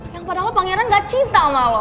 yang padahal pangeran gak cinta sama lo